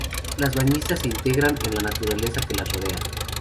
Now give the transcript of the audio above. Las bañistas se integran en la naturaleza que las rodea.